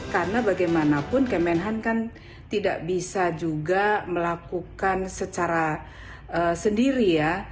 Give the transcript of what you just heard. karena bagaimanapun kemenhan kan tidak bisa juga melakukan secara sendiri ya